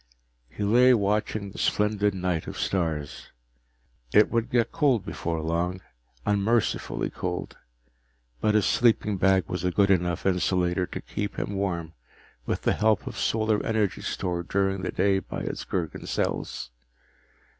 He lay watching the splendid night of stars. It would get cold before long, unmercifully cold, but his sleeping bag was a good enough insulator to keep him warm with the help of solar energy stored during the day by its Gergen cells.